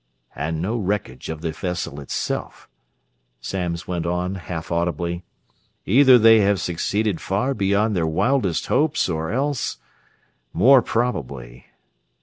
"And no wreckage of the vessel itself," Samms went on, half audibly. "Either they have succeeded far beyond their wildest hopes or else ... more probably...."